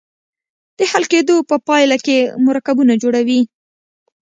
د حل کیدو په پایله کې مرکبونه جوړوي.